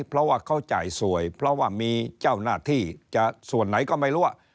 เพราะว่าเขาจ่ายสวยเพราะว่ามีเจ้าหน้าที่จะส่วนไหนก็ไม่รู้